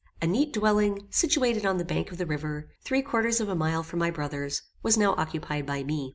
A neat dwelling, situated on the bank of the river, three quarters of a mile from my brother's, was now occupied by me.